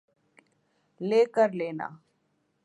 ہاں کام تو ہے۔۔۔ میں نے کیا ہوا ہے مجھ سے دیکھ کے کر لینا۔